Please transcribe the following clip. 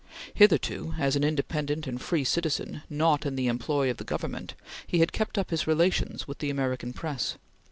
Hitherto, as an independent and free citizen, not in the employ of the Government, he had kept up his relations with the American press.